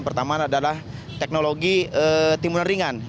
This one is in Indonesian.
pertama adalah teknologi timunan ringan